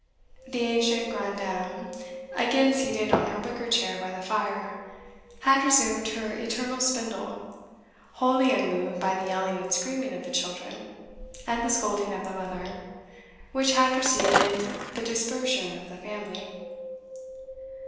The ancient grandame, again seated on her wicker chair by the fire, had resumed her eternal spindle, wholly unmoved by the yelling and screaming of the children, and the scolding of the mother, which had preceded the dispersion of the family.